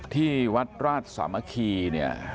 ที่วัดราชสามัคคีเนี่ย